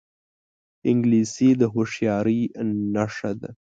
انګلیسي د هوښیارۍ نښه ده